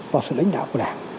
vào sự lãnh đạo của đảng